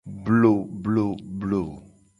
Blobloblo.